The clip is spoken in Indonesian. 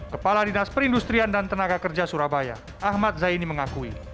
kepala dinas perindustrian dan tenaga kerja surabaya ahmad zaini mengakui